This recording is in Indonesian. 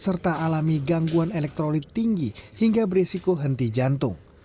serta alami gangguan elektrolit tinggi hingga berat